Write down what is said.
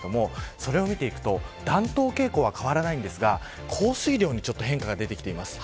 それを見ていくと暖冬傾向は変わらないのですが降水量に変化が出てきています。